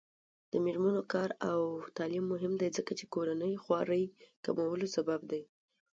د میرمنو کار او تعلیم مهم دی ځکه چې کورنۍ خوارۍ کمولو سبب دی.